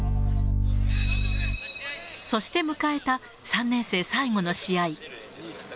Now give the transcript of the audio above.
そして迎えた３年生最後の試合。